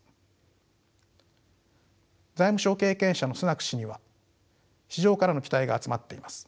財務相経験者のスナク氏には市場からの期待が集まっています。